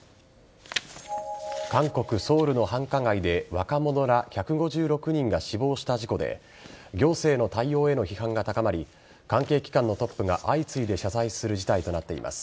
韓国・ソウルの繁華街で若者ら１５６人が死亡した事故で行政の対応への批判が高まり関係機関のトップが相次いで謝罪する事態となっています。